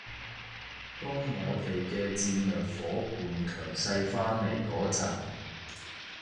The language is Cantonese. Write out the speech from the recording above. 當我哋嘅戰略夥伴強勢返嚟嗰陣